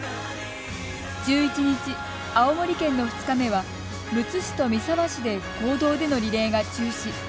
１１日、青森県の２日目はむつ市と三沢市で公道でのリレーが中止。